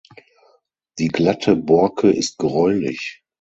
Die glatte Borke ist gräulich.